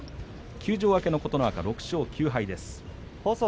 休場明けの琴ノ若６勝９敗です。